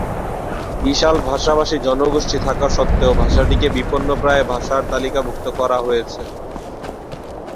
বিশাল ভাষাভাষী জনগোষ্ঠী থাকা সত্ত্বেও ভাষাটিকে বিপন্নপ্রায় ভাষার তালিকাভূক্ত করা হয়েছে।